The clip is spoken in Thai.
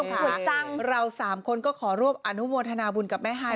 คุณผู้ชมค่ะเราสามคนก็ขอรวบอนุโมทนาบุญกับแม่ฮาย